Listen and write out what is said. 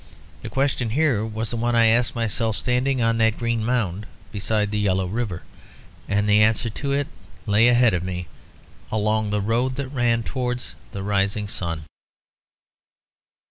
The question here was the one I asked myself standing on that green mound beside the yellow river; and the answer to it lay ahead of me, along the road that ran towards the rising sun.